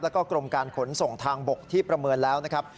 แล้วก็กรมการขนส่งทางบกที่ประเมินแล้วนะครับ